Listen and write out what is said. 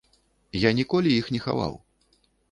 Я ніколі іх не хаваў.